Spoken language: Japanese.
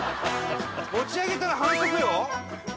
持ち上げたら反則よ。